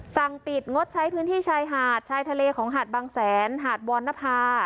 สั่งปิดงดใช้พื้นที่ชายหาดชายทะเลของหาดบางแสนหาดวรณภา